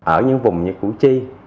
ở những vùng như củ chi